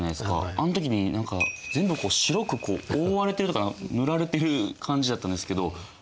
あん時に何か全部白く覆われてるのか塗られてる感じだったんですけどあれは何でなんですか？